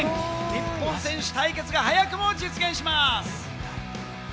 日本選手対決が早くも実現します。